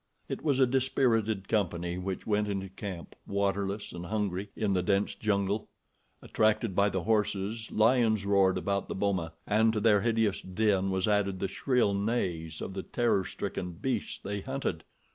It was a dispirited company which went into camp, waterless and hungry, in the dense jungle. Attracted by the horses, lions roared about the boma, and to their hideous din was added the shrill neighs of the terror stricken beasts they hunted.